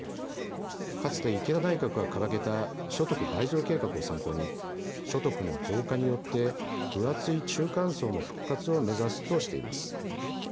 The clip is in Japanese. かつて池田内閣が掲げた所得倍増計画を参考に、所得の増加によって、分厚い中間層の復活を目指すとしています。